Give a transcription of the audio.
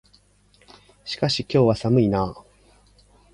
しかし、今日は寒いな。